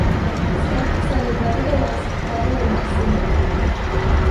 Scarf decided nevertheless to fly alone to Singora.